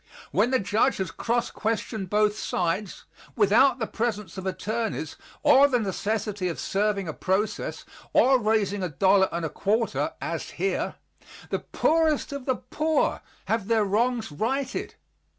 When the judge has cross questioned both sides, without the presence of attorneys, or the necessity of serving a process, or raising a dollar and a quarter, as here, the poorest of the poor have their wrongs righted.